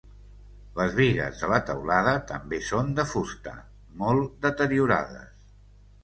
Les bigues de la teulada també són de fusta, molt deteriorades.